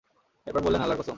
এরপর বললেন, আল্লাহর কসম!